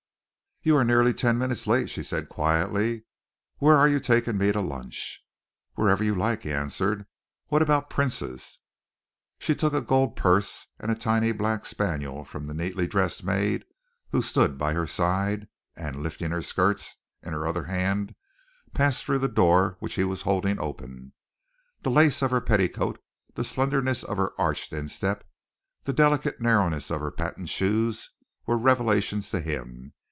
"You are nearly ten minutes late," she said quietly. "Where are you taking me to lunch?" "Wherever you like," he answered. "What about Prince's?" She took a gold purse and a tiny black spaniel from the neatly dressed maid who stood by her side, and lifting her skirts in her other hand, passed through the door which he was holding open. The lace of her petticoat, the slenderness of her arched instep, the delicate narrowness of her patent shoes, were revelations to him.